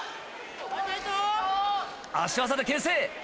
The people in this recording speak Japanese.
足技でけん制。